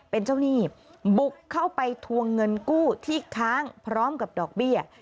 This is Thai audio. เป็นเจ้าหนี้บุกเข้าไปทวงเงินกู้ที่ค้างพร้อมกับดอกเบี้ย